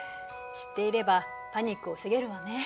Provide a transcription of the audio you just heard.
知っていればパニックを防げるわね。